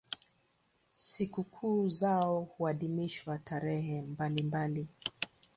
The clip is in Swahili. Sikukuu zao huadhimishwa tarehe mbalimbali.